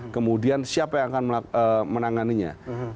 kemudian siapa yang akan menanganinya